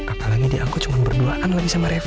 apalagi diangkut cuma berduaan lagi sama revo